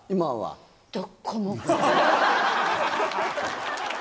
どっこも。